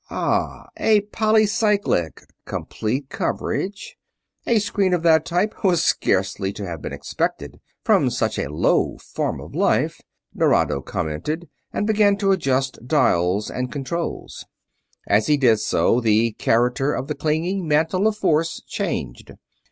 "Ah, a polycyclic ... complete coverage ... a screen of that type was scarcely to have been expected from such a low form of life," Nerado commented, and began to adjust dials and controls. As he did so the character of the clinging mantle of force changed.